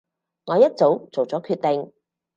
我一早做咗決定